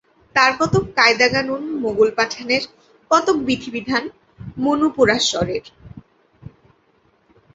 তার কতক কায়দা-কানুন মোগল-পাঠানের, কতক বিধিবিধান মনুপরাশরের।